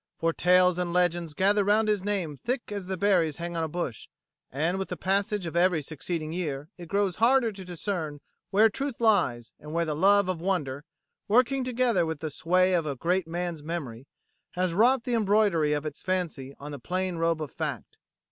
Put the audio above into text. For tales and legends gather round his name thick as the berries hang on a bush, and with the passage of every succeeding year it grows harder to discern where truth lies and where the love of wonder, working together with the sway of a great man's memory, has wrought the embroidery of its fancy on the plain robe of fact.